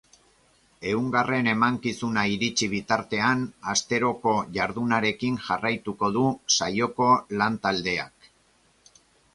Ehungarren emakinzuna iritsi bitartean, asteroko jardunarekin jarraituko du saioko lan taldeak.